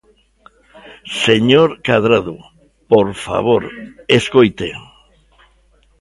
Señor Cadrado, por favor, escoite.